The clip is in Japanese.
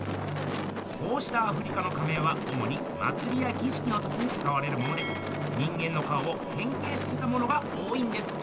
こうしたアフリカの仮面はおもにまつりやぎしきのときにつかわれるもので人間の顔をへん形させたものが多いんです。